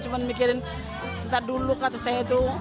cuma mikirin ntar dulu kata saya itu